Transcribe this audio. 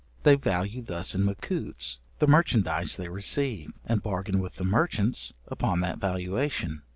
They value thus in macutes the merchandize they receive; and bargain with the merchants upon that valuation.